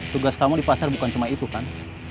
tugas kamu di pasar bukan cuma itu kan